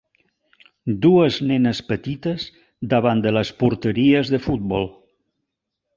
Dues nenes petites davant de les porteries de futbol.